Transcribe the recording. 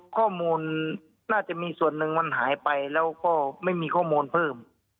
ข้อมูลน่าจะมีส่วนหนึ่งมันหายไปแล้วก็ไม่มีข้อมูลเพิ่ม